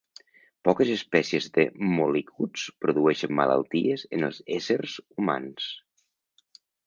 Poques espècies de mol·licuts produeixen malalties en els éssers humans.